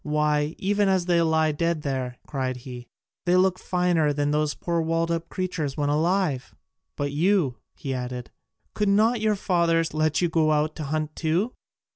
Why, even as they lie dead there," cried he, "they look finer than those poor walled up creatures when alive! But you," he added, "could not your fathers let you go out to hunt too?"